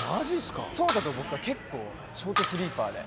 僕は結構ショートスリーパーで。